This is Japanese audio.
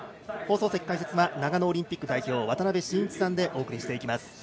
放送席解説は長野オリンピック代表渡辺伸一さんでお送りしていきます。